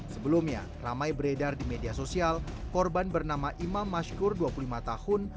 sebelumnya ramai beredar di media sosial korban bernama imam mashkur dua puluh lima tahun